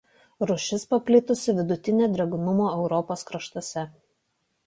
Rūšis paplitusi vidutinio drėgnumo Europos kraštuose.